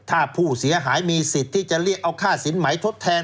ถ้าผู้เสียหายมีสิทธิ์ที่จะเรียกเอาค่าสินใหม่ทดแทน